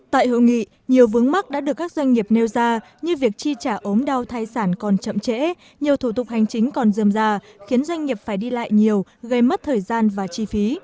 tại hội nghị nhiều vướng mắt đã được các doanh nghiệp nêu ra như việc chi trả ốm đau thai sản còn chậm trễ nhiều thủ tục hành chính còn dườm ra khiến doanh nghiệp phải đi lại nhiều gây mất thời gian và chi phí